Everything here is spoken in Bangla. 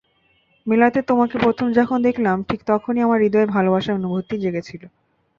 মেলাতে তোমাকে প্রথম যখন দেখলাম ঠিক তখনই আমার হৃদয়ে ভালোবাসার অনুভূতি জেগেছিল।